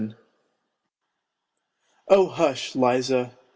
VII " Oh, hush, Liza